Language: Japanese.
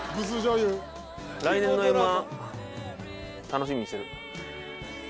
来年の『Ｍ−１』楽しみにしてる。